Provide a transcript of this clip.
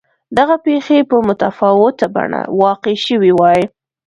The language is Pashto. دغه پېښې په متفاوته بڼه واقع شوې وای.